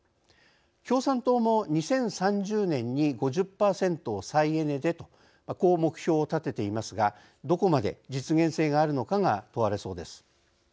共産党も「２０３０年に５０％を再エネで」とこう目標を立てていますがどこまで実現性があるのかが問われそうです。